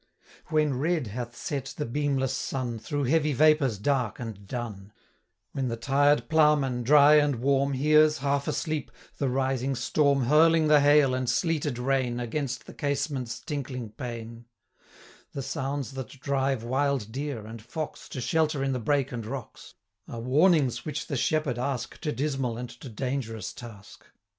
When red hath set the beamless sun, 55 Through heavy vapours dark and dun; When the tired ploughman, dry and warm, Hears, half asleep, the rising storm Hurling the hail, and sleeted rain, Against the casement's tinkling pane; 60 The sounds that drive wild deer, and fox, To shelter in the brake and rocks, Are warnings which the shepherd ask To dismal and to dangerous task.